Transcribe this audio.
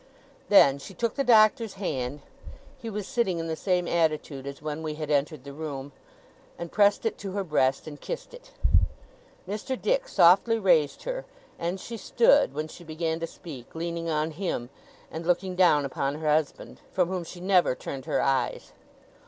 Then, she took the Doctor's hand (he was sitting in the same attitude as when we had entered the room), and pressed it to her breast, and kissed it. Mr. Dick softly raised her; and she stood, when she began to speak, leaning on him, and looking down upon her husband from whom she never turned her eyes.